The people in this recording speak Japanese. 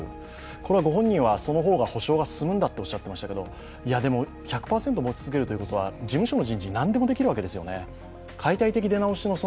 これはご本人はその方が補償が進むんだとおっしゃっていましたけど１００％持ち続けるということは事務所として何でもできるわけですよね。